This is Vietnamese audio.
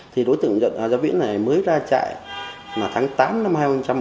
thì đối tượng hà gia viễn này mới ra trại tháng tám năm hai nghìn một mươi năm